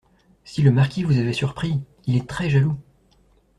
Si le marquis vous avait surpris… il est très jaloux.